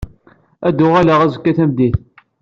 Ad d-uɣaleɣ azekka tameddit.